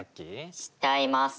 しちゃいますね。